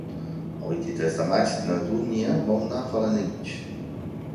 El vint-i-tres de maig na Dúnia vol anar a Felanitx.